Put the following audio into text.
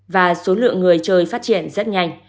và số lượng người chơi phát triển rất nhanh